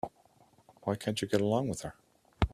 Why can't you get along with her?